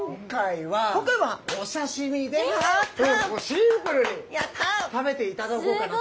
今回はお刺身でもうシンプルに食べていただこうかなと。